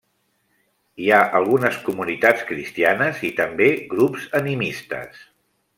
Hi ha algunes comunitats cristianes i també grups animistes.